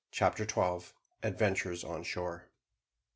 CHAPTER TWELVE. ADVENTURES ON SHORE.